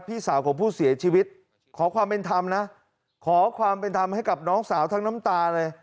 พี่สาวของผู้เสียชีวิตขอความเป็นธรรมนะขอความเป็นธรรมให้กับน้องสาวทั้งน้ำตาเลย